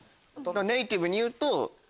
ネイティブに言うと。